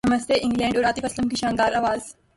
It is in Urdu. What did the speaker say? نمستے انگلینڈ اور عاطف اسلم کی شاندار اواز